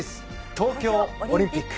『東京オリンピック』。